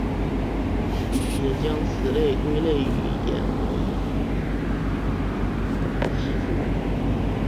也将此类归类于岩黄蓍属。